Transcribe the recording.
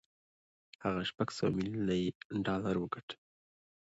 هغه شپږ سوه ميليون يې ډالر وګټل.